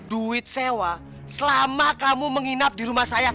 duit sewa selama kamu menginap di rumah saya